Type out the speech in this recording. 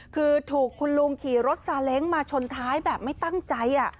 คือถูกคุณลุงขี่รถซาเล้งมาชนท้ายแบบไม่ตั้งใจ